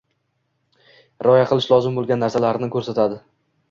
rioya qilishi lozim bo‘lgan narsalarni ko‘rsatadi.